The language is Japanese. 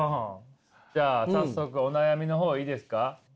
じゃあ早速お悩みの方いいですか？